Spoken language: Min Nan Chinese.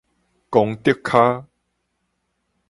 公竹跤